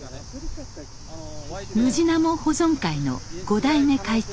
ムジナモ保存会の５代目会長